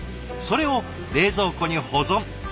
それを冷蔵庫に保存。